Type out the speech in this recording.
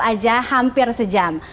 aja hampir sejam